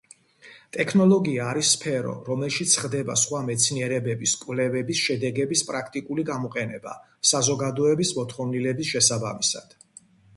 ტექნოლოგია არის სფერო, რომელშიც ხდება სხვა მეცნიერებების კვლევების შედეგების პრაქტიკული გამოყენება საზოგადოების მოთხოვნილების შესაბამისად.